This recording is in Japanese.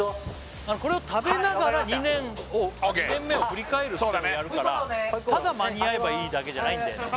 これを食べながら２年目を振り返るっていうのやるからただ間に合えばいいだけじゃないんだよね